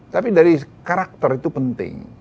tapi dari karakter itu penting